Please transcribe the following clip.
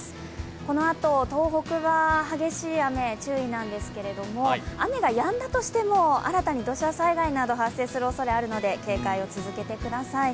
このあと、東北は激しい雨、注意なんですけれども、雨がやんだとしても新たに土砂災害が発生するおそれがあるので、警戒を続けてください。